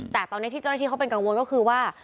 แต่ตอนนี้ที่เจ้าหน้าที่เขาเป็นกังวลก็คือว่า